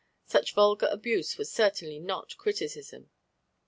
Such vulgar abuse was certainly not criticism.